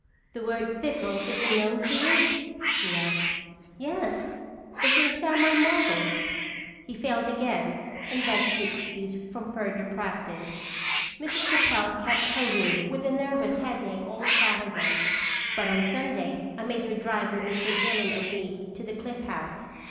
"The word 'fickle' is unknown to you?" he asked. "Yes. Isn't Sam my model?" He failed again, and begged to be excused from further practice. Mrs. Capel kept her room with a nervous headache all Saturday, but on Sunday I made her drive with Mr. Dillon and me to the Cliff House.